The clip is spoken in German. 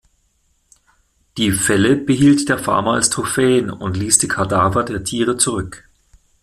Die Felle behielt der Farmer als Trophäen und ließ die Kadaver der Tiere zurück.